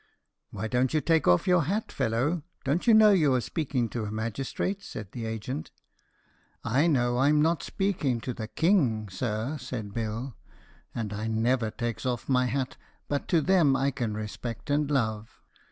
"Why don't you take off your hat, fellow? don't you know you are speaking to a magistrate?" said the agent. "I know I'm not speaking to the king, sir," said Bill; "and I never takes off my hat but to them I can respect and love.